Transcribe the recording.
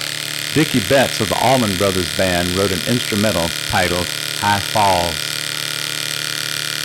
Dickey Betts of The Allman Brothers Band wrote an instrumental titled "High Falls".